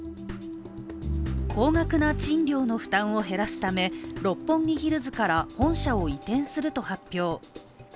高額な賃料の負担を減らすため六本木ヒルズから本社を移転すると発表。